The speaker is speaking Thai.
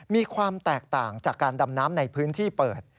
มีความแตกต่างจากการดำน้ำในพื้นที่เปิด